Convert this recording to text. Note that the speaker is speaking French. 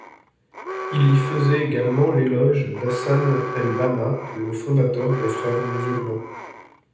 Il y faisait également l’éloge d’Hassan El-Banna, le fondateur des Frères musulmans.